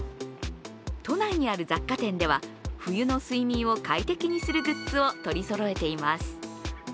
都内にある雑貨店では、冬の睡眠を快適にするグッズを取りそろえています。